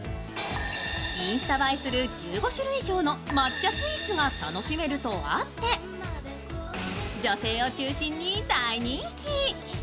インスタ映えする１５種類以上の抹茶スイーツが楽しめるとあって女性を中心に大人気。